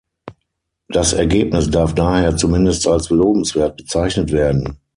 Das Ergebnis darf daher zumindest als lobenswert bezeichnet werden.